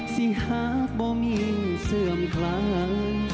สิหากบ่มีเสื่อมคลัง